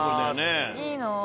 いいな！